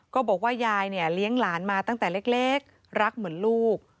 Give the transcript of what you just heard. ก็บอกว่ายายเนี่ยเลี้ยงหลานมาตั้งแต่เล็กรักเหมือนลูก